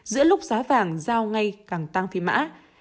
giữa lúc giá vàng giao ngay càng tăng phi mã